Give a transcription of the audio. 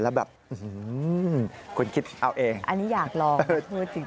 แล้วแบบอื้อหือคุณคิดเอาเองอันนี้อยากลอง